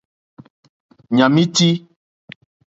Ɲàm í tí.